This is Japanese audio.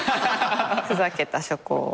ふざけた初稿を。